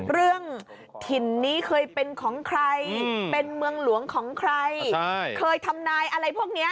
เรื่องถิ่นนี้เคยเป็นของใครเป็นเมืองหลวงของใครเคยทำนายอะไรพวกนี้